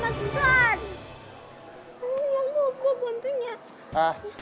ya bobi bantunya